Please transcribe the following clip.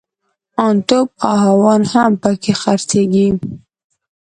ان توپ او هاوان هم پکښې خرڅېږي.